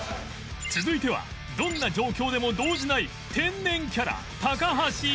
続いてはどんな状況でも動じない天然キャラ高橋